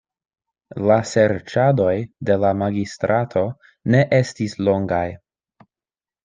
La serĉadoj de la magistrato ne estis longaj.